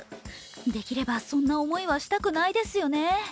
できればそんな思いはしたくないですよね。